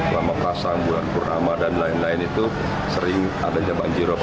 lama pasang bulan purnama dan lain lain itu sering adanya banjirop